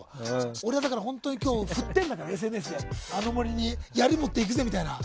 俺は、だから今日、振ってんだからＳＮＳで、あの「森」にやり持っていくぜみたいな。